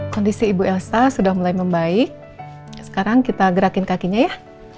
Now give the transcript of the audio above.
kondisi ibu elsa sudah mulai membaik sekarang kita gerakin kakinya ya